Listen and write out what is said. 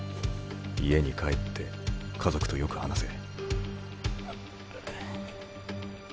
家に帰って家族とよく話せ。